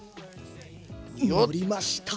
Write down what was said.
のりました。